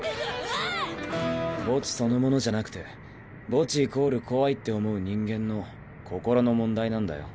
ああっ⁉墓地そのものじゃなくて墓地イコール怖いって思う人間の心の問題なんだよ。